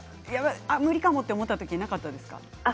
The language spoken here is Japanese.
無理かもと思った時はなかったですか？